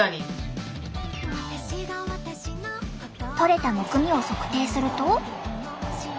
取れたむくみを測定すると。